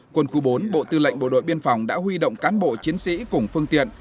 quân khu bốn bộ tư lệnh bộ đội biên phòng đã huy động cán bộ chiến sĩ cùng phương tiện